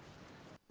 dan sampai jumpa lagi